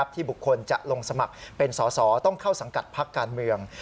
บุคคลจะลงสมัครเป็นสอสอต้องเข้าสังกัดพักการเมือง